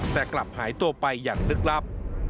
แต่กลับหายตัวไปอย่างลึกลับ